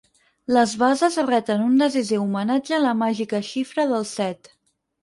Les bases reten un decisiu homenatge a la màgica xifra del set.